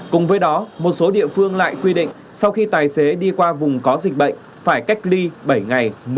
cùng với đó một số địa phương lại quy định sau khi tài xế đi qua vùng có dịch bệnh phải cách ly bảy ngày